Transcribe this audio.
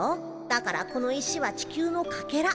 だからこの石は地球のかけら。